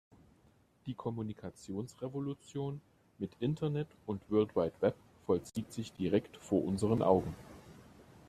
Die Kommunikationsrevolution mit Internet und World Wide Web vollzieht sich direkt vor unseren Augen.